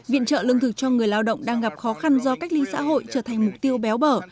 viện trợ lương thực cho người lao động đang gặp khó khăn do cách ly xã hội trở thành mục tiêu béo bở